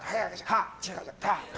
はっ！